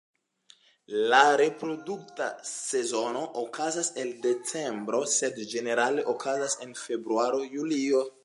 La reprodukta sezono okazas el decembro, sed ĝenerale okazas en februaro-julio.